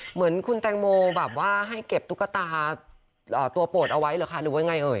เหมือนคุณแตงโมแบบว่าให้เก็บตุ๊กตาตัวโปรดเอาไว้เหรอคะหรือว่าไงเอ่